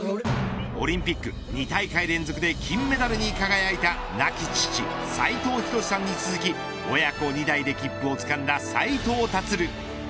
オリンピック２大会連続で金メダルに輝いた亡き父、斉藤仁さんに続き親子２代で切符をつかんだ斉藤立。